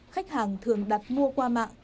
khách hàng thường đặt mua qua mạng